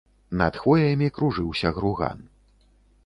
Над хвоямі кружыўся груган.